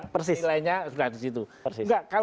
nilainya sudah di situ enggak kalau